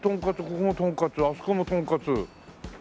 ここもとんかつあそこもとんかつ。